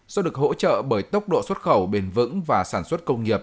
do được hỗ trợ bởi tốc độ xuất khẩu bền vững và sản xuất công nghiệp